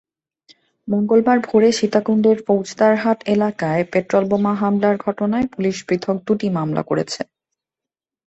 মঙ্গলবার ভোরে সীতাকুণ্ডের ফৌজদারহাট এলাকায় পেট্রলবোমা হামলার ঘটনায় পুলিশ পৃথক দুটি মামলা করেছে।